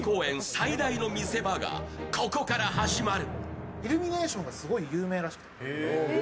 最大の見せ場がここから始まる。